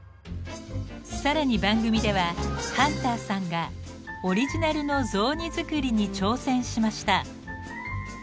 更に番組ではハンターさんがオリジナルの雑煮作りに挑戦しました。